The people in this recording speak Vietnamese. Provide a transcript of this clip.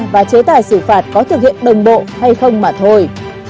và chế tài xử phạt có thực hiện đồng bộ hay không mà thôi